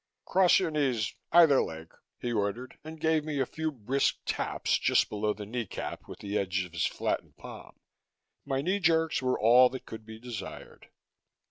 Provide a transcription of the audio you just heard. "Cross your knees, either leg!" he ordered and gave me a few brisk taps just below the knee cap with the edge of his flattened palm. My knee jerks were all that could be desired.